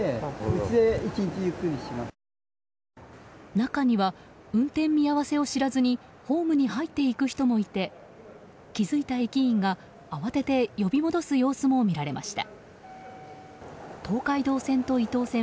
中には運転見合わせを知らずにホームに入っていく人もいて気づいた駅員が慌てて呼び戻す様子も見られました。